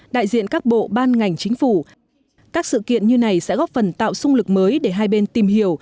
đại diện các bộ ban ngành chính phủ các sự kiện như này sẽ góp phần tạo sung lực mới để hai bên tìm hiểu